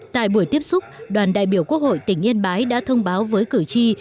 tại buổi tiếp xúc đoàn đại biểu quốc hội tỉnh yên bái đã thông báo với cử tri